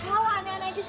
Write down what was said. kau aneh aneh gitu